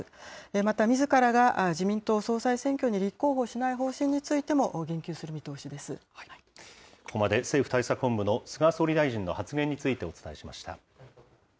またみずからが自民党総裁選挙に立候補しない方針についても言及ここまで政府対策本部の菅総理大臣の発言についてお伝えしました。